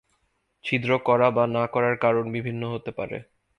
ছিদ্র করা বা না করার কারণ বিভিন্ন হতে পারে।